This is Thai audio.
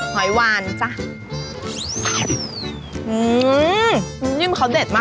หอยวานจ้ะ